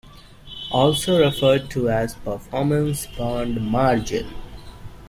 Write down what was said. Also referred to as performance bond margin.